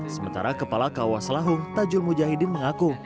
sementara kepala kauas selawung tajul mujahidin mengaku